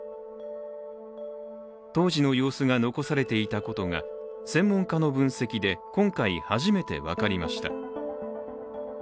当時の様子が残されていたことが専門家の分析で今回、初めて分かりました。